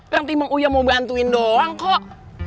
nanti mau uya mau bantuin doang kok